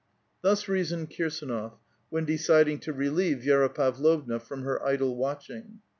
Thus reasoned Kirsdnof, when deciding to relieve Vi^ra f avlovna from her idle watching.